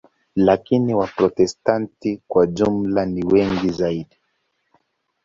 Lakini Waprotestanti kwa jumla ni wengi zaidi.